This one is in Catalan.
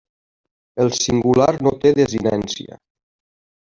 El singular no té desinència.